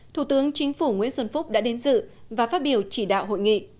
thủ tướng chính phủ nguyễn xuân phúc đã đến dự và phát biểu chỉ đạo hội nghị